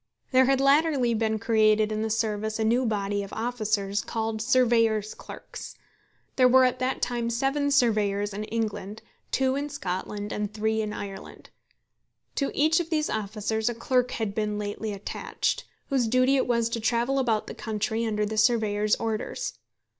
There had latterly been created in the service a new body of officers called surveyors' clerks. There were at that time seven surveyors in England, two in Scotland, and three in Ireland. To each of these officers a clerk had been lately attached, whose duty it was to travel about the country under the surveyor's orders.